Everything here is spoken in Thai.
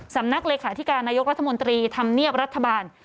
สำนักเลขาธิการนายกรัฐมนตรีธรรมเนียบรัฐบาล